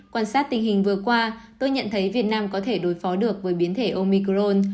quan sát tình hình vừa qua tôi nhận thấy việt nam có thể đối phó được với biến thể omicron